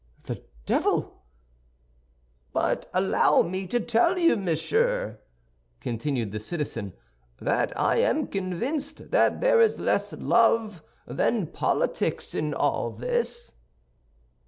"The devil!" "But allow me to tell you, monsieur," continued the citizen, "that I am convinced that there is less love than politics in all this."